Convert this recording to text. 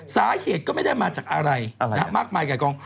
สาเหตุก็ไม่ได้มาจากอะไรมากมายไก่กอง